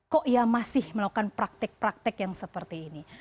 kok ya masih melakukan praktek praktek yang seperti ini